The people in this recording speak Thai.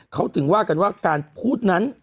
เขาถึงว่ากันว่าการพูดนั้น